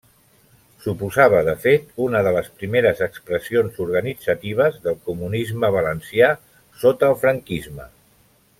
Suposava de fet una de les primeres expressions organitzatives del comunisme valencià sota el franquisme.